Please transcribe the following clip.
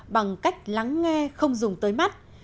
bằng cách lắng nghe không dùng tới mắt